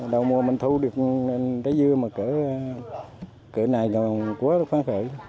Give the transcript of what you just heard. đầu mùa mình thu được cái dưa mà cửa này là cua phấn khởi